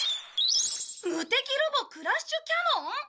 無敵ロボクラッシュキャノン！？